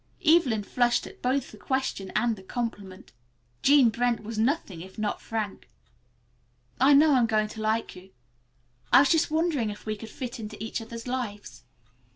Evelyn flushed at both the question and the compliment. Jean Brent was nothing if not frank. "I know I'm going to like you. I was just wondering if we would fit into each other's lives."